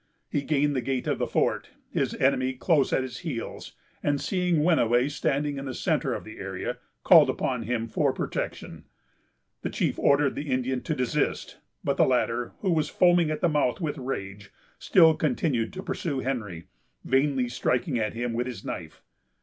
He gained the gate of the fort, his enemy close at his heels, and, seeing Wenniway standing in the centre of the area, called upon him for protection. The chief ordered the Indian to desist; but the latter, who was foaming at the mouth with rage, still continued to pursue Henry, vainly striking at him with his knife.